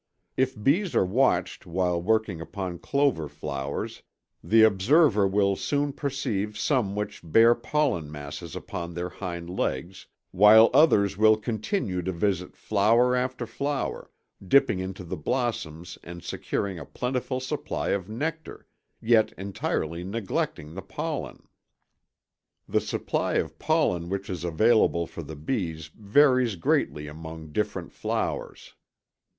If bees are watched while working upon clover flowers, the observer will soon perceive some which bear pollen masses upon their hind legs, while others will continue to visit flower after flower, dipping into the blossoms and securing a plentiful supply of nectar, yet entirely neglecting the pollen. [Illustration: Fig. 3. Outer surface of the left hind leg of a worker bee. (Original.)] The supply of pollen which is available for the bees varies greatly among different flowers.